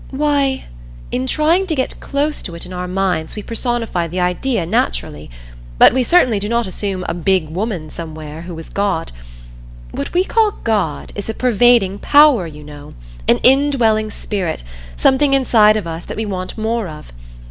"Why in trying to get close to it in our minds we personify the idea, naturally; but we certainly do not assume a Big Woman somewhere, who is God. What we call God is a Pervading Power, you know, an Indwelling Spirit, something inside of us that we want more of.